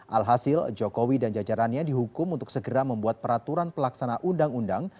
alhasil jokowi dan jajarannya dihukum untuk segera membuat peraturan pelaksana undang undang